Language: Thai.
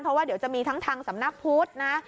เพราะว่าเดี๋ยวจะมีทั้งทางสำนักพุทธนะ